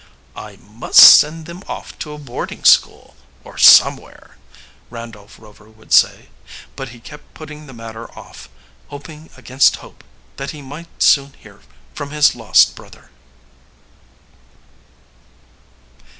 "I must send them off to a boarding school, or somewhere," Randolph Rover would say, but he kept putting the matter off, hoping against hope that he might soon hear from his lost brother.